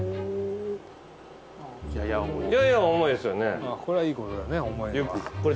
やや重いですよね。